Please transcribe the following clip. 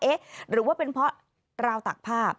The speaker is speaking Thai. เอ๊ะหรือว่าเป็นเพราะราวตากภาพ